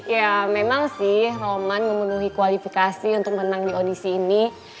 ya memang sih roman memenuhi kualifikasi untuk menang di audisi ini